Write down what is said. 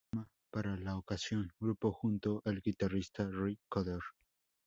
Forma, para la ocasión, grupo junto al guitarrista Ry Cooder.